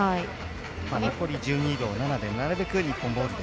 残り１２秒７でなるべく日本ボールで。